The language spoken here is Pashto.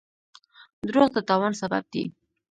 دروغ د تاوان سبب دی.